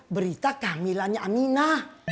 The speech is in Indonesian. berita kehamilannya amina